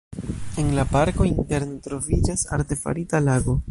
En la parko interne troviĝas artefarita lago.